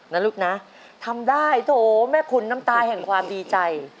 นะลูกนะทำได้โถแม่ขุนน้ำตาแห่งความดีใจ